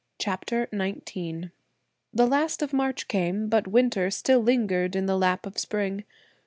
CHAPTER XIX The last of March came, but winter still lingered in the lap of spring.